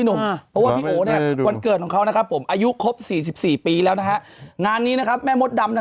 วึ่งพี่นุ่มวันเกิดครับนะครับผมอายุครบ๔๔ปีแล้วนะด้านนี้นะครับแม่มด